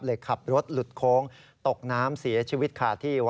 ขับรถหลุดโค้งตกน้ำเสียชีวิตขาดที่